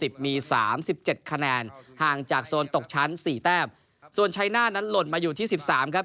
ก็มี๓๗คะแนนห่างจากโซนตกชั้น๔แต้มส่วนชัยน่านั้นหล่นมาอยู่ที่๑๓ครับ